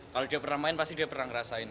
kalau dia pernah main pasti dia pernah ngerasain